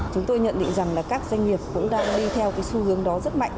chúng tôi nhận định rằng các doanh nghiệp cũng đang đi theo xu hướng đó rất mạnh